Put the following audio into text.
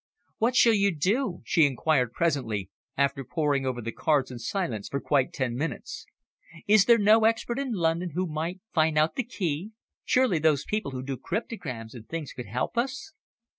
"What shall you do?" she inquired presently, after poring over the cards in silence for quite ten minutes. "Is there no expert in London who might find out the key? Surely those people who do cryptograms and things could help us?"